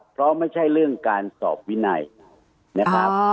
เพราะไม่ใช่เรื่องการสอบวินัยนะครับ